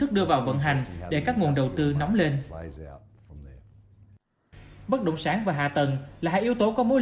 đưa vào vận hành để các nguồn đầu tư nóng lên bất động sản và hạ tầng là hai yếu tố có mối